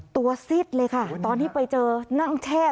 ซิดเลยค่ะตอนที่ไปเจอนั่งแช่